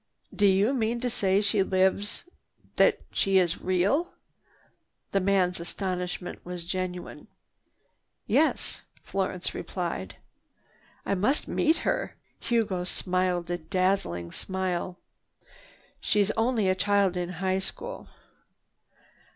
"Do you mean to say she lives—that she is real!" The man's astonishment was genuine. "Yes," Florence replied. "I must meet her." Hugo smiled a dazzling smile. "She's only a child in high school."